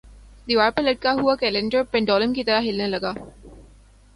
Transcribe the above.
دیوار پر لٹکا ہوا کیلنڈر پنڈولم کی طرح ہلنے لگا